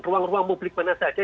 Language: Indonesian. ruang ruang publik mana saja